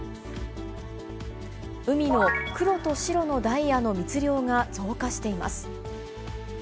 海の黒と白のダイヤの密漁が増加しています。